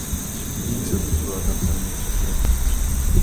Други се обидуваа да преминат преку ред.